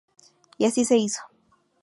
Y así se hizo.